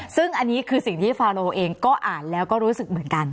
ซึ่งอันนี้คือสิ่งที่ฟาโลเองก็อ่านแล้วก็รู้สึกเหมือนกัน